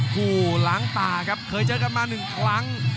พูดล้างตาครับเคยเจอกันมาหนึ่งครั้ง